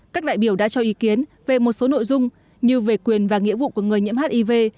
các đại biểu tiếp tục thảo luận về một số nội dung như về quyền và nghĩa vụ của người nhiễm hiv